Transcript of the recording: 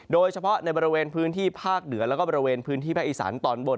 โดยเฉพาะในบริเวณพื้นที่ภาคเหนือแล้วก็บริเวณพื้นที่ภาคอีสานตอนบน